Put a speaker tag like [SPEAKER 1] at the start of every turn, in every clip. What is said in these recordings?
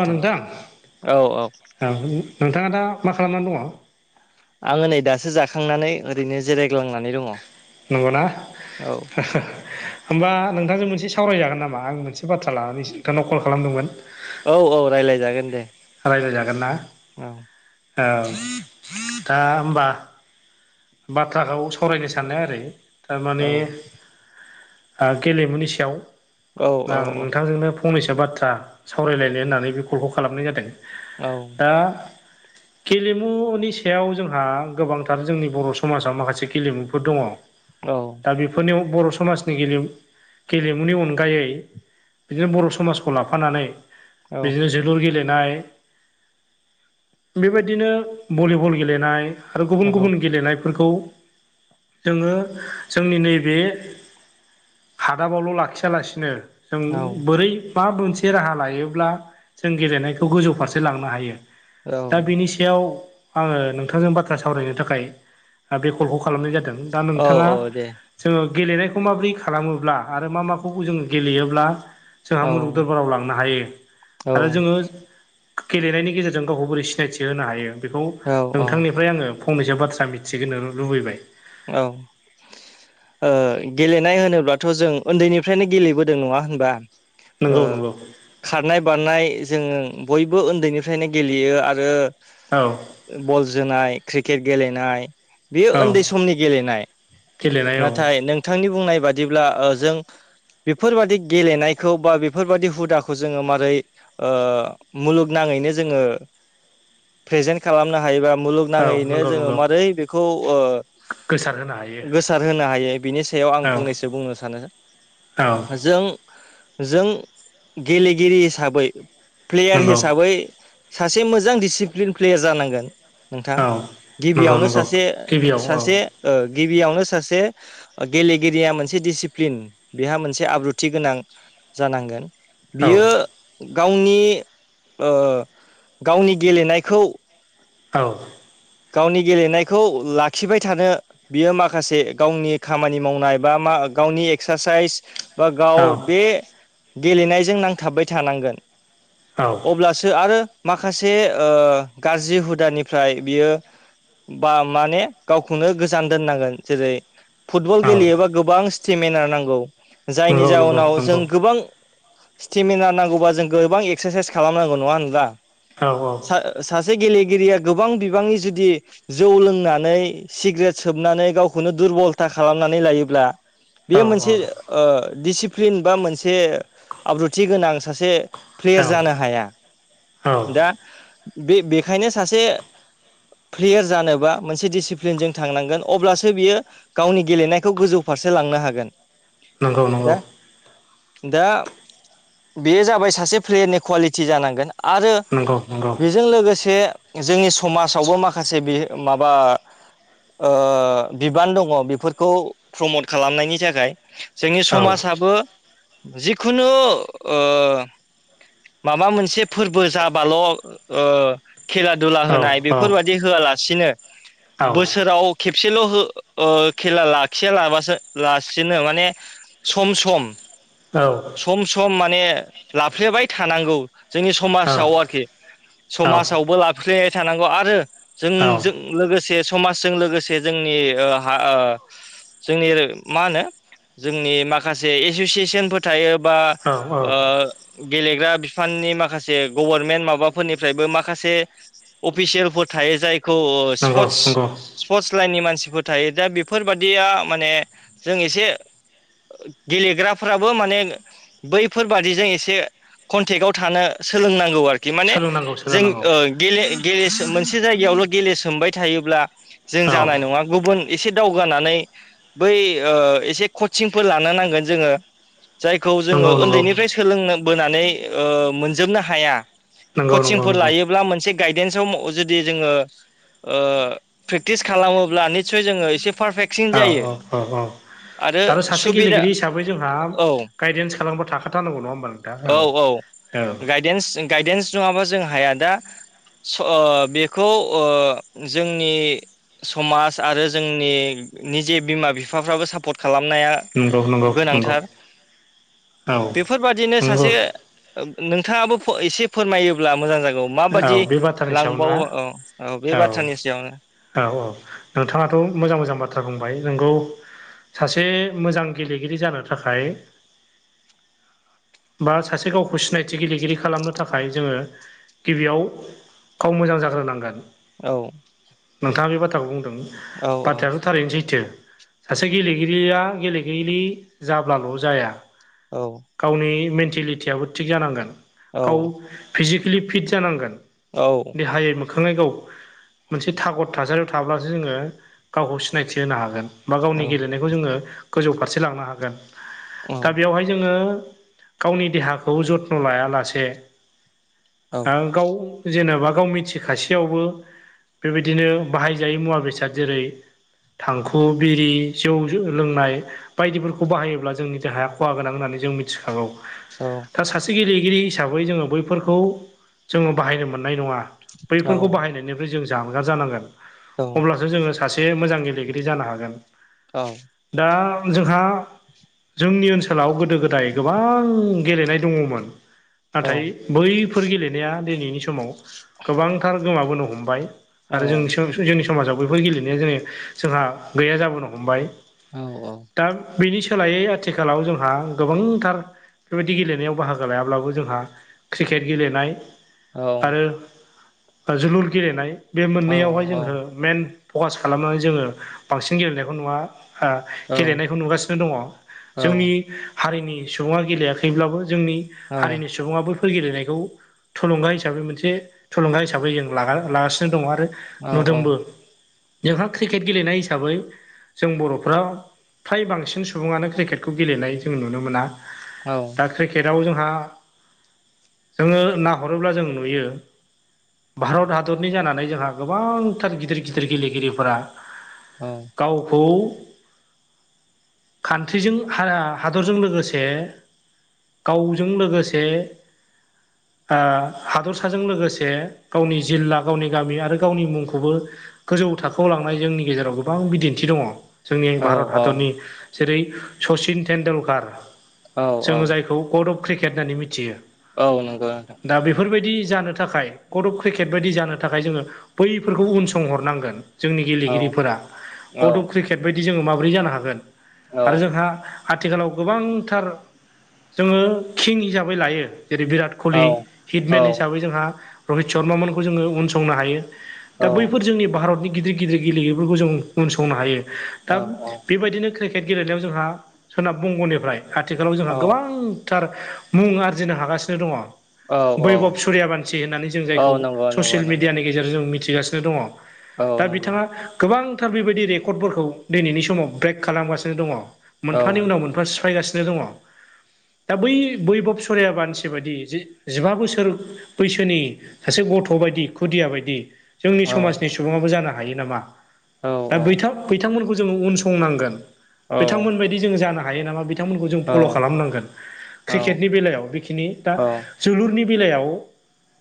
[SPEAKER 1] अ नोंथां औ नोंथाङा दा मा खालामनानै दङ?
[SPEAKER 2] आं नै दासो जाखांनानै ओरैनो जिरायग्लांनानै दङ।
[SPEAKER 1] नंगौना?
[SPEAKER 2] औ
[SPEAKER 1] होमबा नोंथांजों मोनसे सावरायजागोन नामा आं मोनसे बाथ्रा लानानैसो नोंथांनाव कल खालामदोंमोन।
[SPEAKER 2] औ औ रायलायजागोन दे।
[SPEAKER 1] रायज्लायजागोन ना?
[SPEAKER 2] ओं
[SPEAKER 1] औ दा होमबा बाथ्राखौ सावरायनो साननाया ओरै
[SPEAKER 2] औ
[SPEAKER 1] थारमाने ओ गेलेमुनि सायाव
[SPEAKER 2] औ
[SPEAKER 1] आं
[SPEAKER 2] औ
[SPEAKER 1] नोंथांजोंनो फंनैसो बाथ्रा सावरायलायनो होननानै बे कलखौ खालामनाय जादों।
[SPEAKER 2] औ
[SPEAKER 1] दा गेलेमुनि सायाव जोंहा गोबांथार जोंनि बर' समाजाव माखासे गेलेमुफोर दङ‌।
[SPEAKER 2] औ
[SPEAKER 1] दा बेफोरनि बर' समाजनि गेलेमु गेलेमुनि अनगायै बिदिनो बर' समाजखौ लाफानानै बिदिनो
[SPEAKER 2] औ
[SPEAKER 1] जों जोलुर गेलेनाय बेबायदिनो भलिबल गेलेनाय आरो गुबुन गुबुन गेलेनायफोरखौ जोङो जोंनि नैबे हादाबावल' लाखियालासिनो जों बोरै मा मोनसे राहा लायोब्ला जों गेलेनायखौ गोजौ फारसे लांनो हायो
[SPEAKER 2] औ
[SPEAKER 1] दा बेनि सायाव आङो नोंथांजों बाथ्रा सावरायनो थाखाय बे कलखौ खालामनाय जादों। दा
[SPEAKER 2] औ
[SPEAKER 1] नोंथाङा
[SPEAKER 2] औ दे
[SPEAKER 1] जोङो गेलेनायखौ माबोरै खालामोब्ला आरो मा माखौ जोङो गेलेयोब्ला जोंहा
[SPEAKER 2] औ
[SPEAKER 1] मुलुग दरबाराव लांनो हायो
[SPEAKER 2] औ
[SPEAKER 1] आरो जोङो गेलेनायनि गेजेरजों गावखौ बोरै सिनायथि होनो हायो बेखौ
[SPEAKER 2] औ औ
[SPEAKER 1] नोंथांनिफ्राय आङो फंनैसो बाथ्रा मि थिहोनो लुबैबाय।
[SPEAKER 2] औ गेलेनाय होनोब्लाथ' जों उन्दैनिफ्रायनो गेलेबोदों नङा होनबा? ओ
[SPEAKER 1] नंगौ नंगौ
[SPEAKER 2] खारनाय बारनाय जों बयबो उन्दैनिफ्रायनो गेलेयो आरो
[SPEAKER 1] औ
[SPEAKER 2] बल जोनाय क्रिकेट गेलेनाय बेयो
[SPEAKER 1] औ
[SPEAKER 2] उन्दै सम समनि गेलेनाय
[SPEAKER 1] गेलेनाय औ
[SPEAKER 2] नाथाय नोंथांनि बुंनाय बादिब्ला ओ जों बेफोरबादि गेलेनायखौ बा बेफोरबायदि हुदाखौ जोङो मारै मुलुगनाङैनो जोङो प्रेजेन्ट खालामनो हायोबा
[SPEAKER 1] औ
[SPEAKER 2] मुलुगनाङैनो
[SPEAKER 1] नंगौ
[SPEAKER 2] जोङो
[SPEAKER 1] नंगौ
[SPEAKER 2] मोरै बेखौ ओ
[SPEAKER 1] गोसार होनो हायो
[SPEAKER 2] सार होनो हायो बिनि सायाव आं
[SPEAKER 1] औ
[SPEAKER 2] फंनैसो बुंनो सानो
[SPEAKER 1] औ
[SPEAKER 2] जों जों गेलेगिरि हिसाबै प्लेयार
[SPEAKER 1] नंगौ
[SPEAKER 2] हिसाबै सासे मोजां डिसिप्लिन प्लेयार जानांगोन नोंथां
[SPEAKER 1] औ नंगौ
[SPEAKER 2] गिबियावनो
[SPEAKER 1] नंगौ
[SPEAKER 2] सासे
[SPEAKER 1] गिबियाव औ
[SPEAKER 2] सासे ओ गिबियावनो सासे ओ गेलेगिरिया मोनसे डिसिप्लिन बेहा मोनसे आब्रुथि गोनां जानांगोन
[SPEAKER 1] औ
[SPEAKER 2] बियो गावनि ओ गावनि गेलेनायखौ
[SPEAKER 1] औ
[SPEAKER 2] गावनि गेलेनायखौ लाखिबाय थानो बियो माखासे गावनि खामानि मावनाय बा मा गावनि एक्सारसाइस बा
[SPEAKER 1] औ
[SPEAKER 2] गाव बे गेलेनायजों नांथाबबाय थानांगोन
[SPEAKER 1] औ
[SPEAKER 2] अब्लासो आरो माखासे ओ गाज्रि हुदानिफ्राय बियो बा माने गावखौनो गोजान दोननांगोन जेरै फुटबल
[SPEAKER 1] औ
[SPEAKER 2] गेलेयोबा गोबां स्टेमिनार नांगौ जायनि
[SPEAKER 1] नंगौ नंगौ
[SPEAKER 2] जाउनाव
[SPEAKER 1] नंगौ
[SPEAKER 2] जों गोबां स्टेमिना नांगौबा जों गोबां एक्सारसाइस खालामनांगौ नङा होनब्ला
[SPEAKER 1] औ औ
[SPEAKER 2] सा-सासे गेलेगिरिया गोबां बिबांनि जु दि जौ लोंनानै सिग्रेट सोबनानै गावखौनो दुरबलथा खालामनानै लायोब्ला
[SPEAKER 1] औ
[SPEAKER 2] बेयो मोनसे दिसिप्लिन बा मोनसे आब्रुथि गोनां सासे प्लेयार
[SPEAKER 1] औ
[SPEAKER 2] जानो हाया
[SPEAKER 1] औ
[SPEAKER 2] दा बे-बेखायनो सासे प्लेयार जानोबा मोनसे डिसिप्लिनजों थांनांगोन अब्लासो बियो गावनि गेलेनायखौ गोजौ फारसे लांनो हागोन
[SPEAKER 1] नंगौ नंगौ
[SPEAKER 2] दा दा बेयो जाबाय सासे प्लेयारनि कुवालिटि जानांगोन आरो
[SPEAKER 1] नंगौ नंगौ
[SPEAKER 2] बेजों लोगोसे जोंनि समाज आवबो माखासे बेयो माबा ओ बिबान दङ बेफोरखौ प्रमट खालामनायनि थाखाय जोंनि
[SPEAKER 1] औ
[SPEAKER 2] समाजाबो जिखुनु ओ माबा मोनसे फोरबो जाबाल' ओ खेला दुला
[SPEAKER 1] औ
[SPEAKER 2] होनाय बे
[SPEAKER 1] औ
[SPEAKER 2] फोरबायदि होआलासिनो बोसोराव खेबसेल' हो ओ खेला लाखिया लाबासो लासिनो माने सम सम
[SPEAKER 1] औ
[SPEAKER 2] सम सम माने लाफ्लेबाय थानांगौ जोंनि समाजाव आरोखि
[SPEAKER 1] औ
[SPEAKER 2] समाजावबो लाफ्लेबाय थानांगौ आ रो
[SPEAKER 1] औ
[SPEAKER 2] जोंजों लोगोसे समाजजों लोगोसे जोंनि ओ हा ओ जोंनि मा होनो जोंनि माखासे एस'सियेसनफोर थायो बा
[SPEAKER 1] औ औ
[SPEAKER 2] ओ गेलेग्रा बिफाननि माखासे गभर्नमेन्ट माबाफोरनिफ्रायबो माखासे अफिसियेलफोर थायो जायखौ
[SPEAKER 1] नंगौ
[SPEAKER 2] स्पट्स
[SPEAKER 1] नंगौ
[SPEAKER 2] स्पटस लाइननि मानसिफोर थायो दा बेफोरबादिया माने जों एसे गेलेग्राफोराबो माने बैफोरबादिजों एसे कन्टेक्टाव थानो सोलोंनांगौ आरो कि माने
[SPEAKER 1] सोलोंनांगौ
[SPEAKER 2] जों
[SPEAKER 1] सोलोंनांगौ
[SPEAKER 2] ओ गेले गेले सोम मोनसे जायगायावल' गेलेसोमबाय थायोब्ला जों
[SPEAKER 1] औ
[SPEAKER 2] जानाय नङा गुबुन एसे दावगानानै बै ओ एसे कचिंफोर लानो नांगोन जोङो जायखौ जोङो
[SPEAKER 1] नंगौ नंगौ
[SPEAKER 2] उन्दैनिफ्राय सोलों बोनानै मोनजोबनो हाया।
[SPEAKER 1] नंगौ नंगौ
[SPEAKER 2] कचिंफोर
[SPEAKER 1] नंगौ
[SPEAKER 2] लायोब्ला मोनसे गायदेन्सआव जुदि जोङो प्रेकटिस खालामोब्ला निसय जोङो एसे पारफेक्टसिन
[SPEAKER 1] औ
[SPEAKER 2] जायो
[SPEAKER 1] औ औ औ आरो सासे गेलेगिरि हिसाबै जोंहा
[SPEAKER 2] औ
[SPEAKER 1] गायदेन्स खालामबा थाखाथारनांगौ नङा होमबा नोंथां औ औ
[SPEAKER 2] गायदेन्स- गायदेन्स नङाबा जोंहाया दा बेखौ ओ जोंनि समाज आरो जोंनि निजे बिमा बिफाफ्राबो सापर्ट खालामनाया
[SPEAKER 1] नंगौ नंगौ नंगौ
[SPEAKER 2] गोनांथार
[SPEAKER 1] औ
[SPEAKER 2] बेफोरबादिनो
[SPEAKER 1] नंगौ
[SPEAKER 2] सासे नोंथाङाबो एसे फोरमायोब्ला मोजां जागौ
[SPEAKER 1] औ
[SPEAKER 2] माबादि
[SPEAKER 1] बे बाथ्रानि
[SPEAKER 2] लां
[SPEAKER 1] सायाव
[SPEAKER 2] बाव
[SPEAKER 1] ना
[SPEAKER 2] औ औ बे बाथ्रानि सायावनो
[SPEAKER 1] औ औ नोंथाङाथ' मोजां मोजां बाथ्रा बुंबाय नोंगौ। सासे मोजां गेलेगिरि जानो थाखाय बा सासे गावखौ सिनायथि गेलेगिरि खालामनो थाखाय जोङो गिबियाव गाव मोजां जाग्रोनांगोन।
[SPEAKER 2] औ
[SPEAKER 1] नोंथाङा बे बाथ्राखौ बुंदों बाथ्रायाथ थारैनो सैथो सासे गेलेगिरिया गेलेगिरि जाब्लाल' जाया।
[SPEAKER 2] औ
[SPEAKER 1] गावनि मेन्टेलिटियाबो थिग जानांगोन गाव फिजिकेलि फिट जानांगोन।
[SPEAKER 2] औ
[SPEAKER 1] देहायै मोखाङैखौ मोनसे थागद थासारियाव थाब्लासो जोङो गावखौ सिनायथि होनो हागोन बा गावनि
[SPEAKER 2] औ
[SPEAKER 1] गेलेनायखौ ज गोजौ फारसे लांनो हागोन
[SPEAKER 2] औ
[SPEAKER 1] दा बेयावहाय जोङो गावनि देहाखौ जथ्न' लायालासे
[SPEAKER 2] औ
[SPEAKER 1] गाव जेनेबा गाव मिथिखासेयावबो बेबायदिनो बाहायजायै मुवा बेसाद जेरै, थांखु, बिरि, जौ लोंनाय बायदिफोरखौ बाहायोब्ला जोंनि देहाया खहा गोनां होननानै जों मिथिखागौ। दा सासे गेलेगिरि हिसाबै जोङो बैफोरखौ जोङो बाहायनो मोननाय नङा। बैफोरखौ
[SPEAKER 2] नंगौ
[SPEAKER 1] बाहायनायनिफ्राय जों जानगार जानांगोन
[SPEAKER 2] नोंथां
[SPEAKER 1] अब्लासो जोङो सासे मोजां गेलेगिरि जानो हागोन‌।
[SPEAKER 2] औ
[SPEAKER 1] दा जोंहा जोंनि ओनसोलाव गोदो-गोदाय गोबां गेलेनाय दङमोन।
[SPEAKER 2] औ
[SPEAKER 1] नाथाय बैफोर गेलेनाया दिनैनि समाव गोबांथार गोमाबोनो हमबाय। आरो जों जोंनि समाजाव बैफोर गेलेनाया जोङो जोंहा गैया जाबोनो हमबाय
[SPEAKER 2] औ औ
[SPEAKER 1] दा बेनि सोलायै आथिखालाव जोंहा गोबांथार बेफोरबायदि गेलेनायाव बाहागो लायाब्लाबो जोंहा क्रिकेट गेलेनाय
[SPEAKER 2] औ
[SPEAKER 1] आरो जोलुर गेलेनाय बे
[SPEAKER 2] औ
[SPEAKER 1] मोननैयावहाय जोङो मइेन फकास खालामनानै जोङो बांसिन गेलेनायखौ नुवा गेलेनायखौ नुगासिनो दङ जोंनि हारिनि सुबुङा गेलेयाखैब्लाबो जोंनि हारिनि सुबुङाबो फोर गेलेनाय बेखौ थुलुंगा हिसाबै मोनसे थुलुंगा हिसाबै जों लागासिनो दङ आरो। नुदोंबो जोंहा क्रिकेट गेलेनाय हिसाबै जों बर'फाव फ्राय बांसिन सुबुङानो क्रिकेटखौ गेलेनाय जों नुनो मोना।
[SPEAKER 2] औ
[SPEAKER 1] दा क्रिकेटआव जोंहा जोङो नाहरोब्ला जों नुयो भारत हादरनि जानानै जोंहा गोबांथार गिदिर- गिदिर गेलेगिरिफोरा
[SPEAKER 2] औ
[SPEAKER 1] गावखौ कान्ट्रिजों हा- हादरजों लोगोसे गावजों लोगोसे हादरसाजों लोगोसे गावनि जिल्ला गावनि गामि आरो गावनि मुंखौबो गोजौ थाखोआव लांनाय जोंनि गेजेराव गोबां बिदिन्थि दङ जोंनि भारत हादरनि जेरै सचिन तटेडुलकार
[SPEAKER 2] औ
[SPEAKER 1] जोङो जायखौ गड अफ क्रिकेट होननानै मिथियो
[SPEAKER 2] औ नंगो नोंथा
[SPEAKER 1] दा बेफोरबायदि जानो थाखाय कर्ट अफ क्रिकेट बायदि जानो थाखाय जोङो बैफोरखौबो उन संहरनांगोन जोंनि गेलेगिरिफोरा गड अफ क्रिकेट बायदि जोङो माबोरै जानो हागोन आरो जोंहा आथिखालाव गोबांथार जोङो किं हिसाबै लायो जेरै बिराद कलि हिटमेन हिसाबै जोंहा रहित शर्मामोनखौ जोङो उनसंनो हायो दा बैफोर जोंनि भारतनि गिदिर गिदिर गेलेगिरिफोरखौ जों उसंनो हायो दा बेबायदिनो क्रिकेट गेलेनायाव जोंहा सोनाब बंग'निफ्राय आथिखालाव जोंहा गोबां थार मुं आरजिनो हागासिनो दङ
[SPEAKER 2] औ
[SPEAKER 1] बैभब सुरिया भानसि होननानै जों
[SPEAKER 2] औ
[SPEAKER 1] जायखौ
[SPEAKER 2] नंगौ नंगौ
[SPEAKER 1] ससियेल
[SPEAKER 2] नंगौ
[SPEAKER 1] मिडियानि गेजेरजों जों मिथिगासिनो दङ
[SPEAKER 2] औ
[SPEAKER 1] दा
[SPEAKER 2] नंगौ
[SPEAKER 1] बिथाङा गोबांथार बेबायदि रेकर्डफोरखौ दिनैनि समाव ब्रेक खालामगासिनो दङ
[SPEAKER 2] औ
[SPEAKER 1] मोनफानि उनाव मोनफा सिफायगासिनो दङ दा बै बैबब सरियाबानसि बायदि जे जिबा बोसोर बैसोनि सासे गथ' बायदि खुदिया बायदि जोंनि
[SPEAKER 2] औ
[SPEAKER 1] समाजनि सुबाबो जानो हायो नामा
[SPEAKER 2] औ
[SPEAKER 1] दाै बिथांमोनखौ जोङो उनसंनांगोन बिथांमोनबायायदि जों जानो हायो नामा बिथांमोनखौ जों फल' खालामनांगोन
[SPEAKER 2] औ
[SPEAKER 1] क्रिकेटनि बेलायाव बेखिनि दा
[SPEAKER 2] औ
[SPEAKER 1] जोलुरनि बेलायाव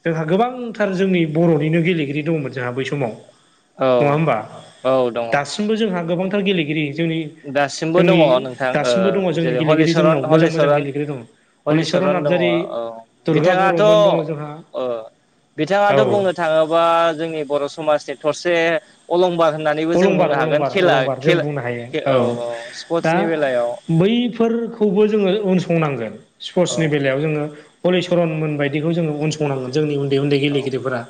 [SPEAKER 1] जोंहा गोबांथार जोंनि बर'निनो गेलेगिरि दंमोन जोंहा बै समाव नङा होमबा
[SPEAKER 2] औ दङ
[SPEAKER 1] दासिमबो जोंहा गोबांथार गेलेगिरि जोंनि
[SPEAKER 2] दासिमबो दङ
[SPEAKER 1] जोंनि
[SPEAKER 2] नोंथां
[SPEAKER 1] दासिमबो दङ जोंनि
[SPEAKER 2] जेरै
[SPEAKER 1] गेलेगिरि
[SPEAKER 2] हलिचरन
[SPEAKER 1] जोंनाव मोजां मोजां
[SPEAKER 2] हलिचरन
[SPEAKER 1] गेलेगिरि दङ
[SPEAKER 2] हलिचरन दङ औ
[SPEAKER 1] दुर्गा
[SPEAKER 2] बिथाङाथ'
[SPEAKER 1] बर'मोन दङ जोंहा
[SPEAKER 2] औ
[SPEAKER 1] औ
[SPEAKER 2] बिथाङाथ' बुंनो था थाङोबा जोंनि बर' समाजनि थरसे अलंबार होननानैबो जों
[SPEAKER 1] अलंबार
[SPEAKER 2] बुंनो हागोन
[SPEAKER 1] अलंबार
[SPEAKER 2] खेला
[SPEAKER 1] अलंबार जों
[SPEAKER 2] खेला
[SPEAKER 1] बुंनो हायो औ दा बै खौबो जोङो उनसंनांगोन
[SPEAKER 2] औ
[SPEAKER 1] स्पर्टसनि बेलायाव जोङो हलिचरनमोन बायदिखौ जोङो अनसंनांगोन जोंनि उन्दै उन्दै
[SPEAKER 2] औ
[SPEAKER 1] गेलेगिरिफोरा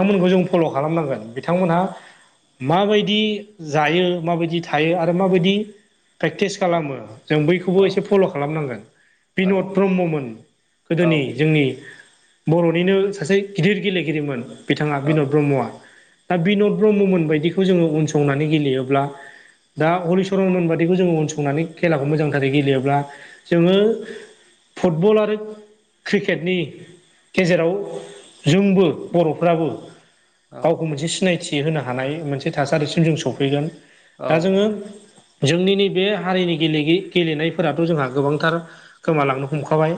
[SPEAKER 2] औ
[SPEAKER 1] जों फल' खालाम खालामनांगोन बिथांमोनहा माबायदि जायो माबायदि थायो आरो माबायदि प्रेक्टिस खालामो जों
[SPEAKER 2] औ
[SPEAKER 1] बैखौबो एसे फल' खालामनांगोन
[SPEAKER 2] औ
[SPEAKER 1] बिन'द ब्रह्ममोन गोदोनि
[SPEAKER 2] औ
[SPEAKER 1] जोंनि बर'निनो सासे गिदिर गेलेगिरिमोन बिथाङा
[SPEAKER 2] औ
[SPEAKER 1] बिनद ब्रह्मआ दा बिन'द ब्रह्ममोन बायदिखौ जोङो उनसंनानै गेलेयोब्ला दा हरलिचरननबादिखौ जोङो अनसंनानै खेलाखौ मोजांथारै गेलेयोब्ला जोङो फुटबल आरो क्रिकेटनि गेजेराव जोंबो बर'फ्राबो
[SPEAKER 2] औ
[SPEAKER 1] गावखौ मोनसे सिनायथि होनो हानाय मोनसे थासारिसिम जों सफैगोन दा जोङो जोंनि नैबे हारिनि गेले गेलेनायफोराथ' जोंहा गोबांथार गोमालांनो हमखाबाय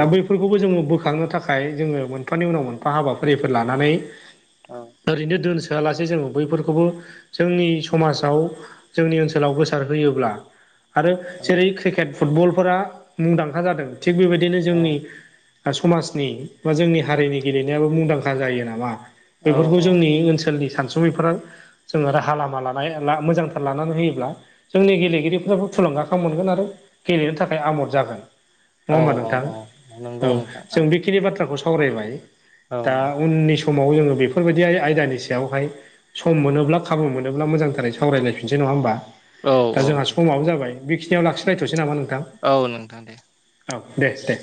[SPEAKER 1] दा बैफोरखौबो जोङो बोखांनो थाखाय जोङो मोनफानि उनाव मोनफा हाबाफारिफोर लानानै ओरैनो दोनसोआलासे जोंङो बैफोरखौबो जोंनि समाजाव जोंनि ओनसोलाव गोसारहयोब्ला आरो जेरै क्रिकेट फुटबलफोरा मुंदांखा जादों थिग बेबायदिनो जोंनि समाजनि बा जोंनि हारिनि गेलेनायाबो मुंदांखा जायो नामा बेफोरखौ जोंनि ओनसोलनि सानसुमैफोरा जोङो राहा लामा लानाय मोजांथार लानानै होयोब्ला जोंनि गेलेगिरिफोराबो थुलुंगाखां मोनगोन आरो गेलेनो थाखाय आमद जागोन नङा
[SPEAKER 2] औ
[SPEAKER 1] होमबा
[SPEAKER 2] औ
[SPEAKER 1] नोंथां
[SPEAKER 2] औ नंगौ
[SPEAKER 1] औ
[SPEAKER 2] नोंथां
[SPEAKER 1] जों
[SPEAKER 2] औ
[SPEAKER 1] बेखिनि बाथ्राखौ सावरायबाय दा उननि स समाव जोङो बेफोरबायदि आयदानि सायावहाय सम मोनोब्ला खाबु मोनोब्ला मोजांथारै सावरायलायफिनसै नङा होमबा
[SPEAKER 2] औ
[SPEAKER 1] दा
[SPEAKER 2] औ
[SPEAKER 1] जोंहा
[SPEAKER 2] दे
[SPEAKER 1] समाव जाबाय बिखिनियाव लाखिलायथसै नामा नोंथां
[SPEAKER 2] औ नोंथां दे
[SPEAKER 1] औ दे-दे